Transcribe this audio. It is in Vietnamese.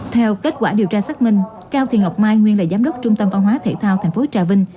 theo kết quả điều tra xác minh cao thị ngọc mai nguyên là giám đốc trung tâm văn hóa thể thao tp trà vinh